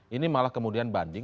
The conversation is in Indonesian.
ini malah kemudian banding